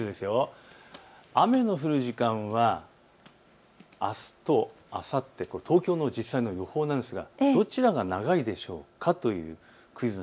雨の降る時間はあすとあさって、東京の実際の予報なんですがどちらが長いでしょうかというクイズ。